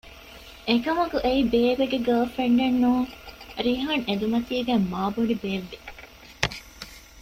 އެކަމަކު އެއީ ބޭބެގެ ގާރލް ފްރެންޑެއް ނޫން ރީޙާން އެނދުމަތީގައި މާބޮނޑި ބޭއްވި